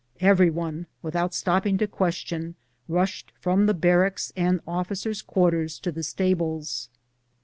'Every one, with out stopping to question, rushed from the barracks and officers' quarters to the stables.